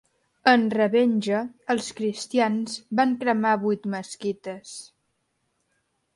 En revenja els cristians van cremar vuit mesquites.